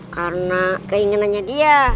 karena keinginannya dia